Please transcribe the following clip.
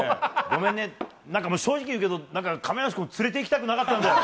ごめんね、なんかもう、正直言うけど、なんか亀梨君、連れていきたくなかったんだよ。